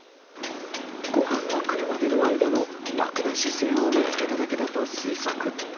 ごはんが来るまでの間の楽な姿勢を見つけただけだと推測。